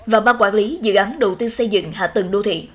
và ban quản lý dự án đầu tư xây dựng hạ tầng đô thị